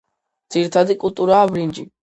ძირითადი კულტურაა ბრინჯი.